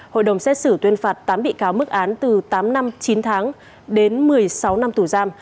hội đồng xét xử tuyên phạt tám bị cáo mức án từ tám năm chín tháng đến một mươi sáu năm tù giam